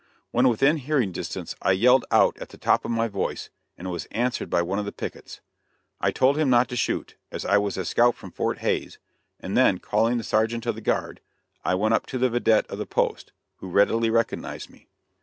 When within hearing distance I yelled out at the top of my voice, and was answered by one of the pickets. I told him not to shoot, as I was a scout from Fort Hays; and then, calling the sergeant of the guard, I went up to the vidette of the post, who readily recognized me.